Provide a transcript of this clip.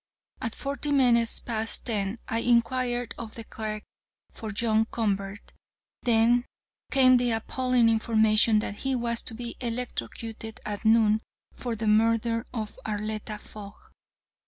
At forty minutes past ten I inquired of the clerk for John Convert. Then came the appalling information that he was to be electrocuted at noon for the murder of Arletta Fogg.